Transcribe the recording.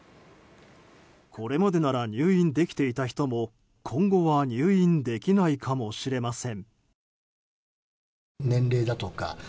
これまでなら入院できていた人も今後は入院できないかもしれません。